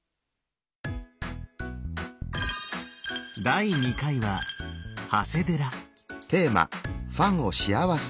第２回は長谷寺。